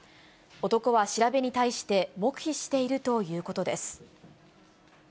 男は調べに対して黙秘しているということです。